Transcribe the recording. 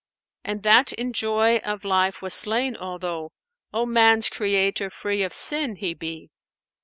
And that in joy of life was slain, although * O man's Creator free of sin he be.'